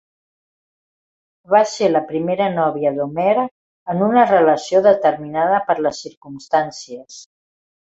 Va ser la primera novia d'Homer en una relació determinada per les circumstàncies.